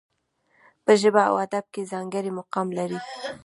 په ژبه او ادب کې ځانګړی مقام لري.